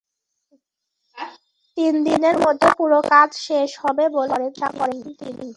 তিন দিনের মধ্যে পুরো কাজ শেষ হবে বলে আশা করেন তিনি।